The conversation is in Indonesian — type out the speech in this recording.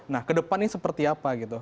nah kedepan ini seperti apa gitu